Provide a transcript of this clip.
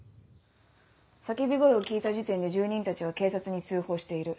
叫び声を聞いた時点で住人たちは警察に通報している。